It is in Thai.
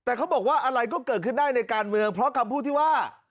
แต่เขาบอกว่าอะไรก็เกิดขึ้นได้ในการเมืองเพราะคำพูดที่ว่า